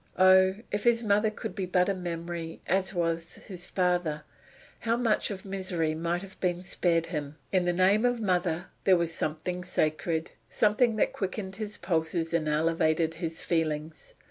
Oh, if his mother could be but a memory, as was his father, how much of misery might have been spared him! In the name of mother there was something sacred something that quickened his pulses and elevated his feelings.